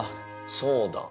そうだ！